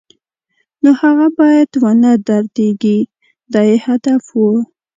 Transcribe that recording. نو هغه باید و نه دردېږي دا یې هدف و.